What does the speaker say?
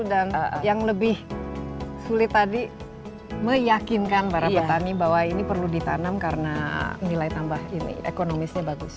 dan yang lebih sulit tadi meyakinkan para petani bahwa ini perlu ditanam karena nilai tambah ini ekonomisnya bagus